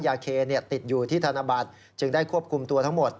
ยาเคติดอยู่ที่ธนบัตรจึงได้ควบคุมตัวทั้งหมด